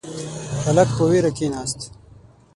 هلک په وېره کښیناست.